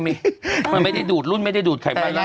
มันไม่ได้ดูดรุ่นไม่ได้ดูดไขมัน